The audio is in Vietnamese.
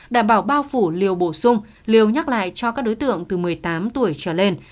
đảm bảo bao phủ liều bổ sung liều nhắc lại cho các đối tượng từ một mươi tám tuổi trở lên